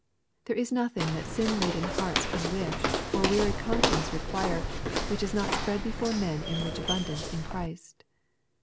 There is nothing that sin laden hearts can wish, or weary con sciences require, which is not spread before men in rich abundance in Christ.